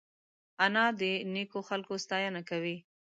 انا د نیکو خلکو ستاینه کوي